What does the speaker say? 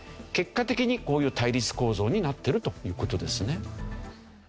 結果的にこういう対立構造になってるという事ですね。